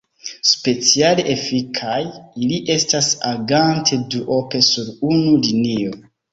Speciale efikaj ili estas agante duope sur unu linio.